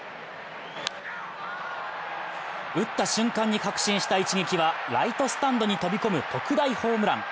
打った瞬間に確信した一撃はライトスタンドに飛び込む特大ホームラン。